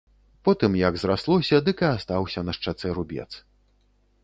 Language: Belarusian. Потым, як зраслося, дык і астаўся на шчацэ рубец.